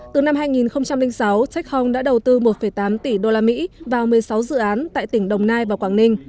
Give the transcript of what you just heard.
từ năm hai nghìn sáu tech hong đã đầu tư một tám tỷ usd vào một mươi sáu dự án tại tỉnh đồng nai và quảng ninh